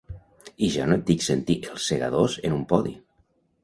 I ja no et dic sentir ‘Els segadors’ en un podi.